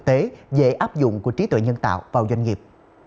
góc nhìn thực tế dễ áp dụng của trí tuệ nhân tạo vào doanh nghiệp